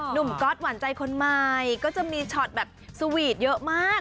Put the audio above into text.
ก๊อตหวานใจคนใหม่ก็จะมีช็อตแบบสวีทเยอะมาก